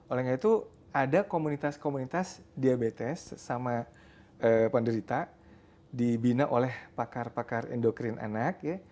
oleh karena itu ada komunitas komunitas diabetes sama penderita dibina oleh pakar pakar endokrin anak ya